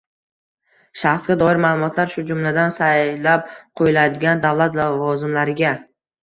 shaxsga doir ma’lumotlar, shu jumladan saylab qo‘yiladigan davlat lavozimlariga